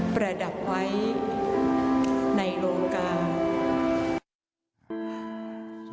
ประดับไว้ในโลกา